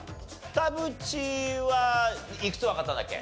田渕はいくつわかったんだっけ？